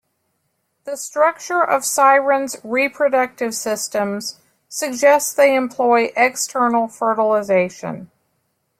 The structure of sirens' reproductive systems suggests they employ external fertilization.